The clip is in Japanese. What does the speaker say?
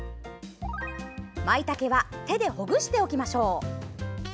まいたけは手でほぐしておきましょう。